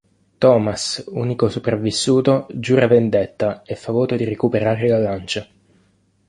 Thomas, unico sopravvissuto, giura vendetta e fa voto di recuperare la lancia.